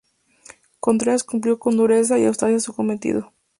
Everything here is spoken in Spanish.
Contreras cumplió con dureza y astucia su cometido.